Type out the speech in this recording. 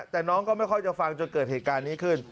แต่น้องก็ไม่ค่อยจะฟังจนเกิดเหตุการณ์นี้ขึ้น